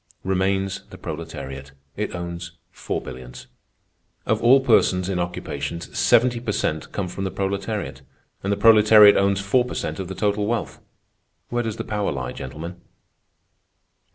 Remains the proletariat. It owns four billions. Of all persons in occupations, seventy per cent come from the proletariat; and the proletariat owns four per cent of the total wealth. Where does the power lie, gentlemen?"